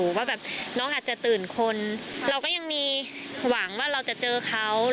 ว่าแบบน้องอาจจะตื่นคนเราก็ยังมีหวังว่าเราจะเจอเขา